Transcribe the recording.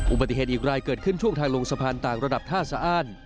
อุบัติเหตุอีกรายเกิดขึ้นช่วงทางลงสะพานต่างระดับท่าสะอ้าน